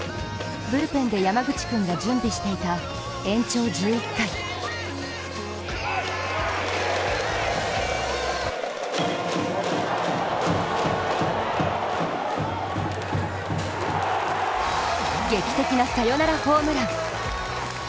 ブルペンで山口君が準備していた延長１１回劇的なサヨナラホームラン。